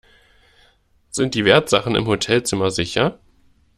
Sind die Wertsachen im Hotelzimmer sicher?